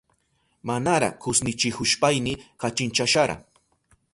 Manara kushnichihushpayni kachinchashara.